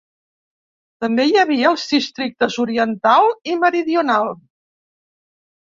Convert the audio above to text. També hi havia els districtes oriental i meridional.